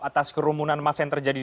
atas kerumunan massa yang terjadi